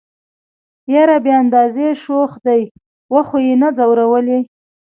يره بې اندازه شوخ دي وخو يې نه ځورولئ.